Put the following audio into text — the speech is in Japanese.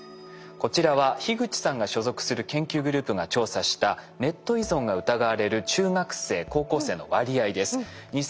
こちらは樋口さんが所属する研究グループが調査したネット依存が疑われる中学生・高校生の割合です。